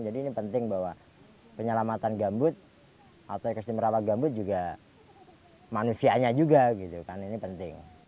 jadi ini penting bahwa penyelamatan gambut atau ekstrim rawa gambut juga manusianya juga ini penting